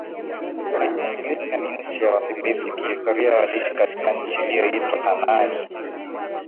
Philiste ni nchi ya Wafilisti Kihistoria waliishi katika nchi iliyoitwa Kanaani